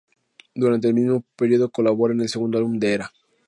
Durante el mismo período colabora en el segundo álbum de Era.